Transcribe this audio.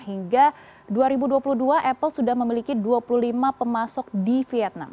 hingga dua ribu dua puluh dua apple sudah memiliki dua puluh lima pemasok di vietnam